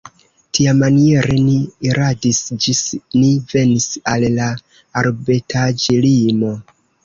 Tiamaniere ni iradis ĝis ni venis al la arbetaĵlimo.